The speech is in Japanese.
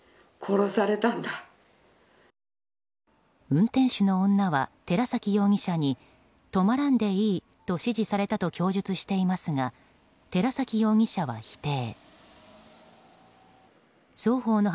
運転手の女は寺崎容疑者に止まらんでいいと指示されたと供述していますが寺崎容疑者は否定。